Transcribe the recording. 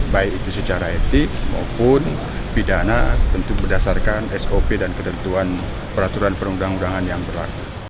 baik itu secara etik maupun pidana tentu berdasarkan sop dan ketentuan peraturan perundang undangan yang berlaku